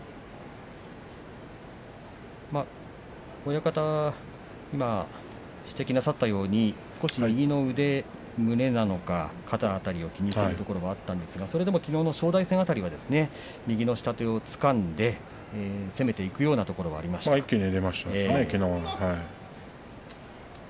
親方が今、指摘なさったように少し右の胸なのか肩の辺りを気にするところがあったんですがそれでも、きのうの正代戦は右の下手をつかんで攻めていく場面もありましたね